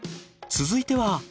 続いては。